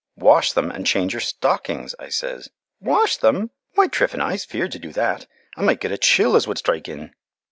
'Wash them, and change your stockings,' I says. 'Wash them! Why, Tryphena, I'se feared to do that. I might get a chill as would strike in.'"